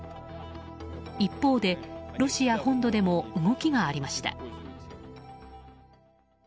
一方で、ロシア本土でも動きがありました。